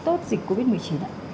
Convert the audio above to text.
tốt dịch covid một mươi chín ạ